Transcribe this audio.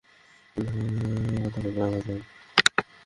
তাঁদের বাঁচাতে সেতারা বেগম সেখানে গেলে তাঁর মাথায় পাইপের আঘাত লাগে।